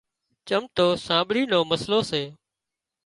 چم تو سانٻڙِي نو مسئلو سي